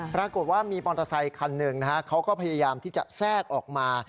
ปรากฏว่ามีปลอร์ตไซค์คันหนึ่งเขาก็พยายามที่จะแทรกออกมา